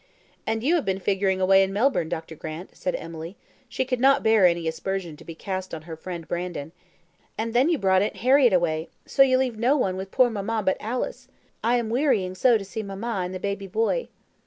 "And you have been figuring away in Melbourne, Dr. Grant," said Emily she could not bear any aspersion to be cast on her friend, Brandon "and then you brought Aunt Harriett away; so you leave no one with poor mamma but Alice. I am wearying so to see mamma and the baby boy."